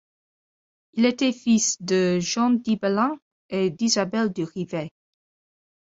Il était fils de Jean d'Ibelin et d'Isabelle du Rivet.